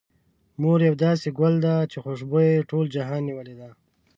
مور يو داسې ګل ده، چې خوشبو يې ټول جهان نيولې ده.